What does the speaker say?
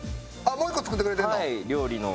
もう１個作ってくれてるの？